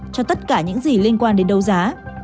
cho tất cả những gì liên quan đến đấu giá